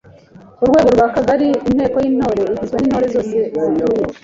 Ku rwego rw’Akagari Inteko y’Intore igizwe n’Intore zose zituye